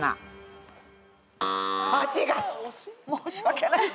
申し訳ない。